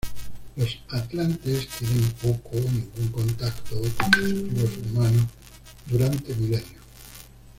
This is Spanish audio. Los atlantes tienen poco o ningún contacto con sus primos humanos durante milenios.